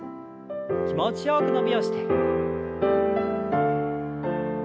気持ちよく伸びをして。